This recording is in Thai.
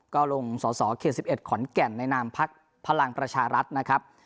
ก็ลงสอส่อเครดสิบเอ็ดขอนแก่นในนามพรรคพลังประชารัฐนะครับ